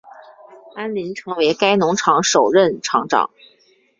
安林成为该农场首任场长。